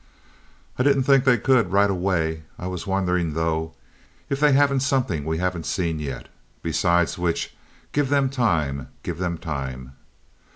"I didn't think they could right away. I'm wondering though if they haven't something we haven't seen yet. Besides which give them time, give them time."